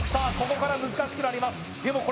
ここから難しくなります